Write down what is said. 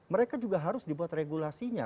mereka juga harus dibuat regulasinya